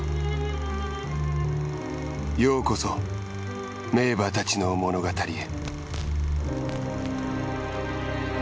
ようこそ名馬たちの物語へ。